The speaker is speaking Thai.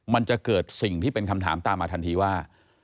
มันจะเกิดสิ่งที่เป็นคำถามตามมาทันทีว่า